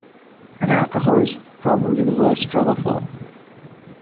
And alcohol is probably the worst drug of all.